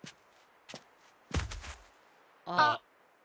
あっ。